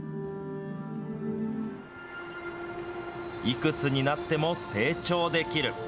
いくつになっても成長できる。